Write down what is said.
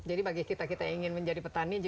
jadi bagi kita yang ingin menjadi petani